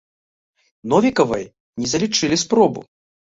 Новікавай не залічылі спробу.